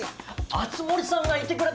熱護さんがいてくれたら。